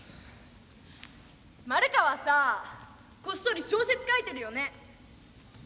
「マルカワさあこっそり小説書いてるよね」。